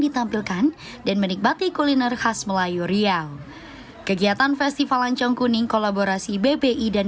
dan menikmati kuliner khas melayu riau kegiatan festival lancang kuning kolaborasi bbi dan